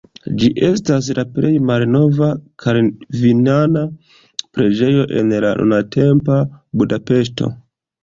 Ĝi estas la plej malnova kalvinana preĝejo en la nuntempa Budapeŝto.